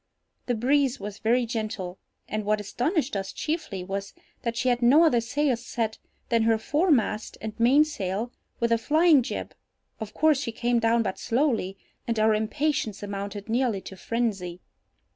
The breeze was very gentle, and what astonished us chiefly was, that she had no other sails set than her foremast and mainsail, with a flying jib—of course she came down but slowly, and our impatience amounted nearly to phrensy.